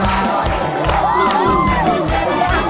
ร้อง